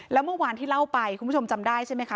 แล้วเมื่อวานที่เล่าไปคุณผู้ชมจำได้ใช่ไหมคะ